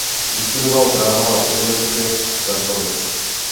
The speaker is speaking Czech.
Vystudoval práva na Univerzitě Karlově.